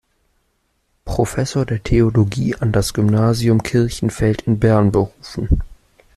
Professor der Theologie an das Gymnasium Kirchenfeld in Bern berufen.